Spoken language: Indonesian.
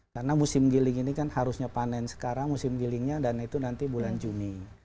karena musim giling ini kan harusnya panen sekarang musim gilingnya dan itu nanti bulan juni